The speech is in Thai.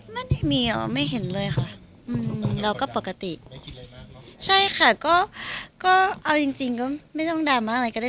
ไม่มีไม่เห็นเลยค่ะเราก็ปกติใช่ค่ะก็ก็เอาจริงจริงก็ไม่ต้องด่ามาก